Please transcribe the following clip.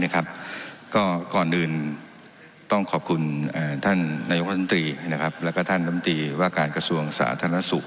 ก็ก่อนอื่นต้องขอบคุณท่านนายกว่าต้มตรีและก็ท่านต้มตรีว่าการกระทรวงศาสนสุข